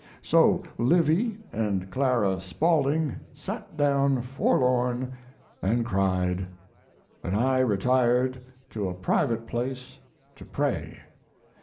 So Livy and Clara Spaulding sat down forlorn and cried, and I retired to a private place to pray.